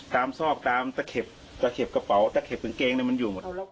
ซอกตามตะเข็บตะเข็บกระเป๋าตะเข็บกางเกงมันอยู่หมด